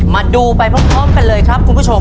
มาดูไปพร้อมกันเลยครับคุณผู้ชม